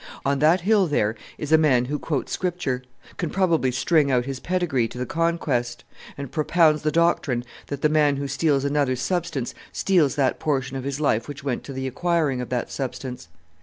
On that hill there is a man who quotes Scripture; can probably string out his pedigree to the Conquest; and propounds the doctrine that the man who steals another's substance steals that portion of his life which went to the acquiring of that substance.